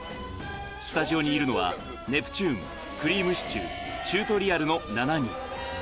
スタジオにいるのは、ネプチューン、くりぃむしちゅー、チュートリアルの７人。